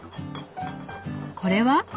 これは？